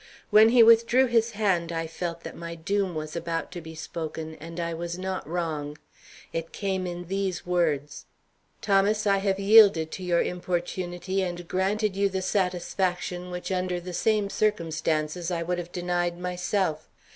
When he withdrew his hand, I feel that my doom was about to be spoken, and I was not wrong. It came in these words: "Thomas, I have yielded to your importunity and granted you the satisfaction which under the same circumstances I would have denied myself.